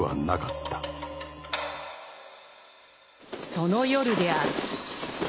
その夜である。